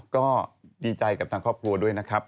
ก็ดีใจกับทางครอบครัวด้วยนะครับ